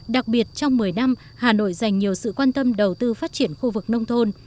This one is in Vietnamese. đặc biệt trong một mươi năm hà nội dành nhiều sự quan tâm đầu tư phát triển khu vực nông thôn